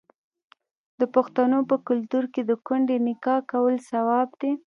د پښتنو په کلتور کې د کونډې نکاح کول ثواب دی.